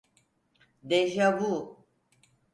Deja vu.